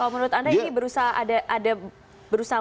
menurut anda ini berusaha